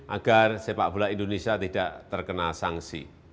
agar sepak bola indonesia tidak terkena sanksi